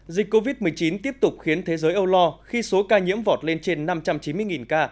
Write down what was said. dịch covid một mươi chín tiếp tục khiến thế giới âu lo khi số ca nhiễm vọt lên trên năm trăm chín mươi ca